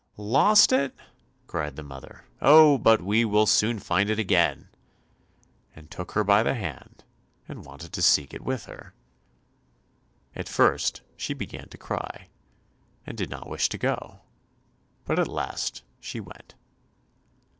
"Lost it!" cried the mother, "oh, but we will soon find it again," and took her by the hand, and wanted to seek it with her. At first she began to cry, and did not wish to go, but at last she went.